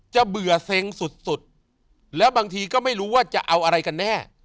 เบื่อเซ็งสุดแล้วบางทีก็ไม่รู้ว่าจะเอาอะไรกันแน่